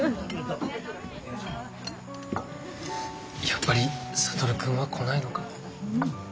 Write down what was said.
やっぱり智君は来ないのか？